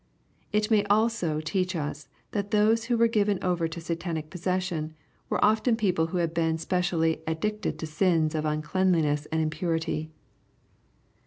It may also teach us that those who were given over te Satanic possession, were often people who had been specially ad dicted to sins of uncleanness and impurity.